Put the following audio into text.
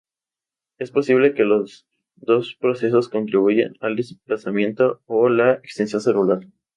Es posible que los dos procesos contribuyan al desplazamiento o la extensión celular.